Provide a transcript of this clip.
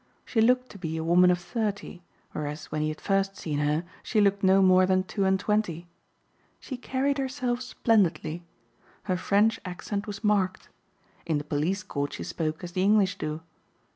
She looked to be a woman of thirty, whereas when he had first seen her she looked no more than two and twenty. She carried herself splendidly. Her French accent was marked. In the police court she spoke as the English do.